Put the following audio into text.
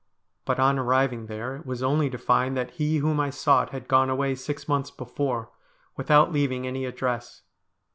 But, on arriving there, it was only to find that he whom I sought had gone away six months before, without leaving any address.